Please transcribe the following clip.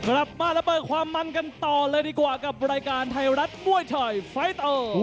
กลับมาระเบิดความมันกันต่อเลยดีกว่ากับรายการไทยรัฐมวยไทยไฟเตอร์